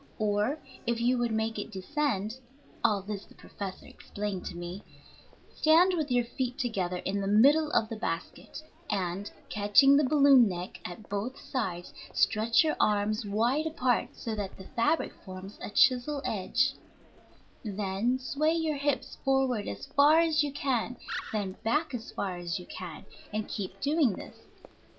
Or if you would make it descend (all this the professor explained to me), stand with your feet together in the middle of the basket, and, catching the balloon neck at both sides, stretch your arms wide apart so that the fabric forms a chisel edge, then sway your hips forward as far as you can, then back as far as you can, and keep doing this.